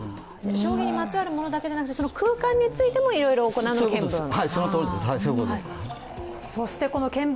将棋にまつわるものだけじゃなくて空間についても行う検分？